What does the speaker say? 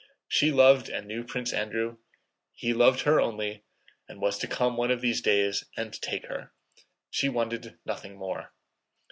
She loved and knew Prince Andrew, he loved her only, and was to come one of these days and take her. She wanted nothing more.